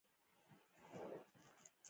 سهار د هڅې موخه ټاکي.